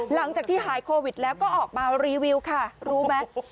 หลังจากที่หายโควิดแล้วก็ออกมารีวิวค่ะรู้ไหม